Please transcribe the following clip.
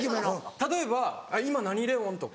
例えば「今何レオン？」とか。